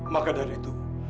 maka dari itu